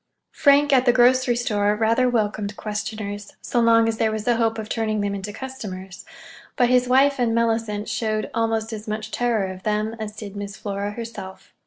Frank, at the grocery store, rather welcomed questioners—so long as there was a hope of turning them into customers; but his wife and Mellicent showed almost as much terror of them as did Miss Flora herself.